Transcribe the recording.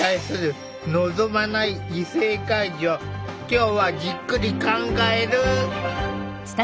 今日はじっくり考える！